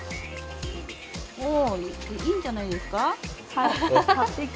おぉいいんじゃないですか？